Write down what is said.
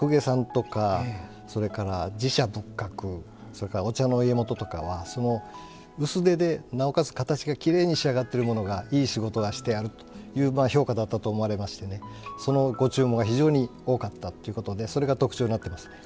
それからお茶の家元とかは薄手でなおかつ形がきれいに仕上がってるものがいい仕事がしてあるという評価だったと思われましてそのご注文が非常に多かったということでそれが特徴になってますね。